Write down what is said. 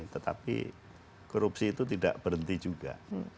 tetapi korupsi itu tidak berhenti juga